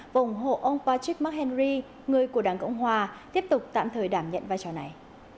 và ủng hộ ông patrick mchenry người của đảng cộng hòa tiếp tục tạm thời đảm nhận vai trò này